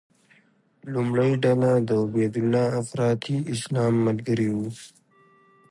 لومړۍ ډله د عبیدالله افراطي اسلام ملګري وو.